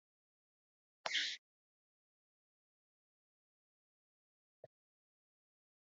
სახლი გეგმით კვადრატულია.